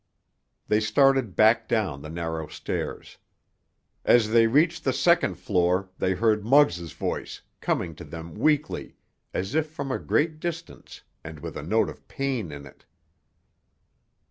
They started back down the narrow stairs. As they reached the second floor they heard Muggs' voice, coming to them weakly, as if from a great distance, and with a note of pain in it.